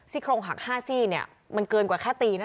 โครงหัก๕ซี่เนี่ยมันเกินกว่าแค่ตีนะ